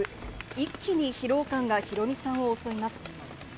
一気に疲労感がヒロミさんを襲います。